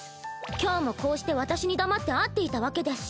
今日もこうして私に黙って会っていたわけですし。